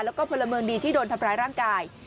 แล้วก็พลเมืองดีที่โดนทำร้ายร่างกาย